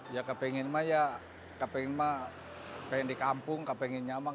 ya kepengen mah ya kepengen mah pengen di kampung kepengen nyaman